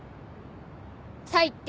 最低。